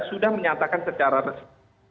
sudah menyatakan secara resmi